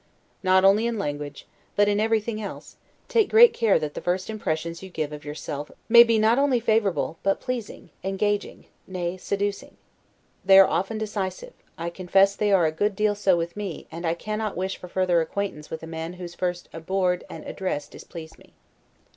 Not only in language, but in everything else, take great care that the first impressions you give of yourself may be not only favorable, but pleasing, engaging, nay, seducing. They are often decisive; I confess they are a good deal so with me: and I cannot wish for further acquaintance with a man whose first 'abord' and address displease me.